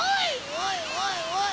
おいおいおい！